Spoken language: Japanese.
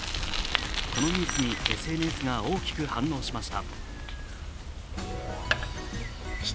このニュースにＳＮＳが大きく反応しました。